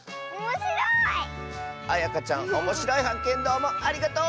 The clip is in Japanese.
あやかちゃんおもしろいはっけんどうもありがとう！